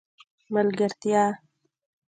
ملګرتیا